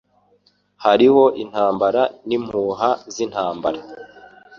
hariho intambara n'impuha z'intambara.